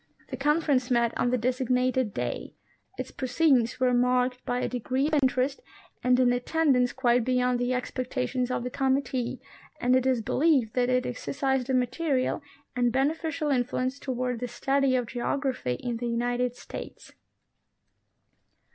The Conference met on the designated day ; its pro ceedings were marked by a degree of interest and an attendance quite beyond the expectations of the committee, and it is be lieved that it exercised a material and beneficial influence toward the study of geograjDhy in the United States.